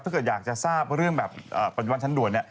ถ้าเกิดอยากจะทราบเรื่องปัจจุบันชั้นด่วน